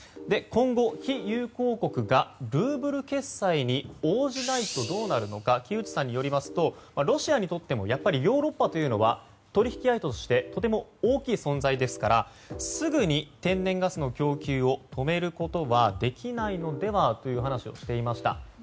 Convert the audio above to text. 今後、非友好国がルーブル決済に応じないとどうなるのか木内さんによりますとロシアにとっても、やっぱりヨーロッパというのは取引相手としてとても大きい存在ですからすぐに天然ガスの要求を止めることはできないのではという話をしていました。